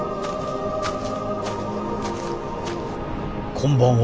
こんばんは。